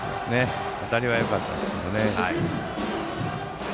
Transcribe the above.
当たりはよかったですが。